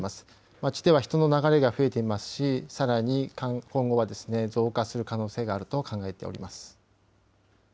街では人の流れが増えていますし、さらに今後は増加する可能性があると考えております。